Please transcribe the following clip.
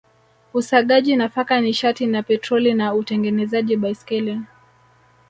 Usagaji nafaka nishati na petroli na utengenezaji baiskeli